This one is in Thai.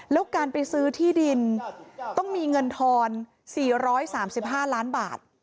แล้วการไปซื้อที่ดินต้องมีเงินทอน๔๓๕ล้านบาท